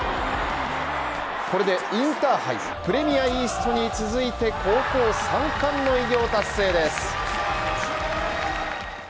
これでインターハイ、プレミアイーストに続いて３冠の偉業達成です。